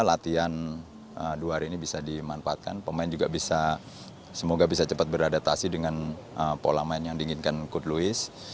latihan dua hari ini bisa dimanfaatkan pemain juga bisa cepat beradaptasi dengan pola main yang diinginkan kud luis